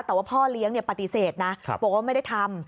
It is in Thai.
แต่ว่าพ่อเลี้ยงปฏิเสธนะบอกว่าไม่ได้ทำ